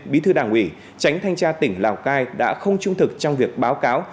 bí thư đảng ủy tránh thanh tra tỉnh lào cai đã không trung thực trong việc báo cáo